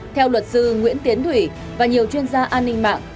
theo luật sư nguyễn tiến thủy và nhiều chuyên gia an ninh mạng